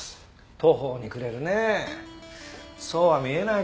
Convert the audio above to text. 途方に暮れるねえそうは見えないけどなあ。